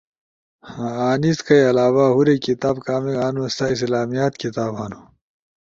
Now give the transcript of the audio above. ۔انیس کئی علاوہ ہورے کتاب کامیک ہنو سا اسلامیات کتاب ہنو۔